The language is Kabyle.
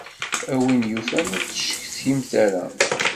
A win yufan, ur d-ttcetkimt ara.